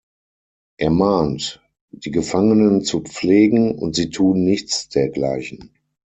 Er mahnt, die Gefangenen zu pflegen, und sie tun nichts dergleichen.